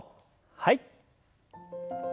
はい。